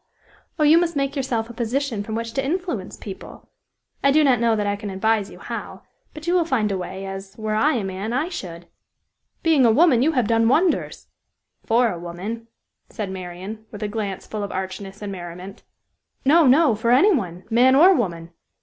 Oh, you must make yourself a position from which to influence people! I do not know that I can advise you how; but you will find a way, as were I a man, I should!" "Being a woman, you have done wonders!" "For a woman," said Marian, with a glance full of archness and merriment. "No, no; for any one, man or woman!